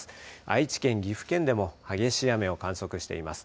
愛知県、岐阜県でも激しい雨を観測しています。